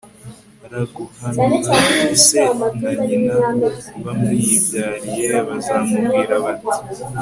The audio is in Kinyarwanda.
ra guhanura se na nyina bamwibyariye bazamubwira bati